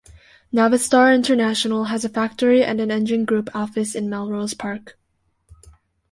Navistar International has a factory and an engine group office in Melrose Park.